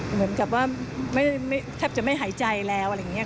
เหมือนกับว่าแทบจะไม่หายใจแล้วอะไรอย่างนี้